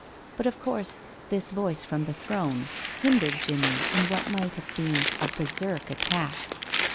But, of course, this voice from the throne hindered Jimmie in what might have been a berserk attack.